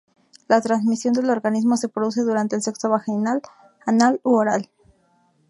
La transmisión del organismo se produce durante el sexo vaginal, anal u oral.